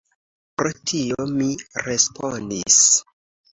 Pro tio mi respondis.